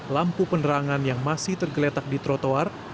lampu penerangan yang masih tergeletak di trotoar